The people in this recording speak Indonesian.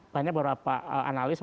banyak beberapa analis